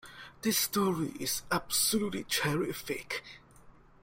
This story is absolutely terrific!